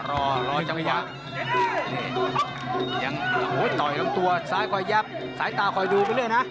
รอรอจังหวะต่อยลงตัวซ้ายคอยยักษ์สายตาคอยดูไปเรื่อยน่ะ